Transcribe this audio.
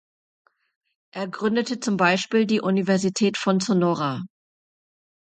Er gründete zum Beispiel die Universität von Sonora.